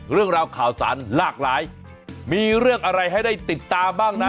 เรื่องราวข่าวสารหลากหลายมีเรื่องอะไรให้ได้ติดตามบ้างนะ